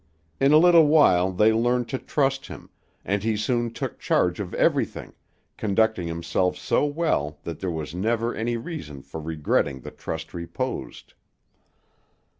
In a little while they learned to trust him, and he soon took charge of everything, conducting himself so well that there was never any reason for regretting the trust reposed.